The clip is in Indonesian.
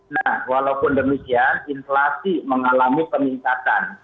nah walaupun demikian inflasi mengalami peningkatan